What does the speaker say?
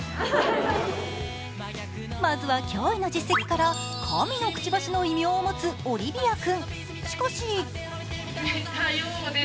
まずは脅威の実績から神のクチバシの異名を持つオリビア君。